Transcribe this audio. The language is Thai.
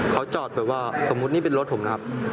เขาจอดแบบว่าสมมุตินี่เป็นรถผมนะครับ